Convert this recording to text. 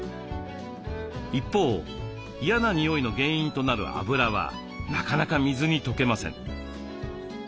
一方嫌な臭いの原因となる脂はなかなか水に溶けません。